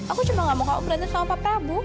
aku cuma nggak mau kamu berhantam sama pak prabu